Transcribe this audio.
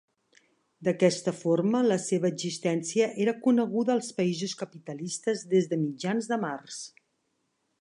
D'aquesta forma la seva existència era coneguda als països capitalistes des de mitjans de març.